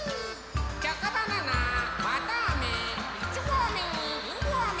チョコバナナわたあめいちごあめにりんごあめ。